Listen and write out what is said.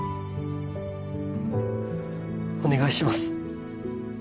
お願いします